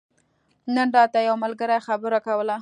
نن راته يو ملګري خبره کوله